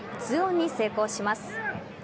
ツーオンに成功します。